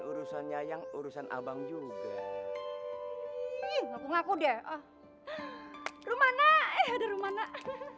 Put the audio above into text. urusan yang urusan abang juga ngaku ngaku deh rumana eh ada rumah nak